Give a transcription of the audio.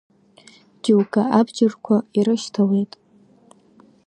Џьоукы абџьарқәа ирышьҭалеит.